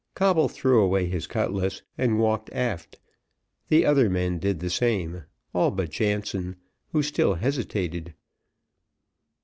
Coble threw away his cutlass, and walked aft; the other men did the same, all but Jansen, who still hesitated.